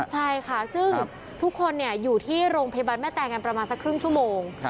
ใช่ค่ะซึ่งทุกคนอยู่ที่โรงพยาบาลแม่แตงกันประมาณสักครึ่งชั่วโมง